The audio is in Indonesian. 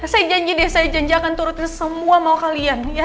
saya janji deh saya janji akan turutin semua keinginan kalian ya